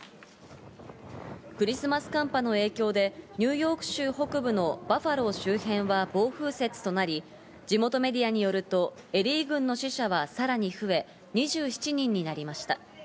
クリスマス寒波の影響でニューヨーク州北部のバファロー周辺は暴風雪となり、地元メディアによるとエリー郡の死者はさらに増え、２７人になりました。